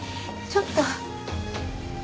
ちょっと。